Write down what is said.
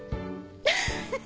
アハハハ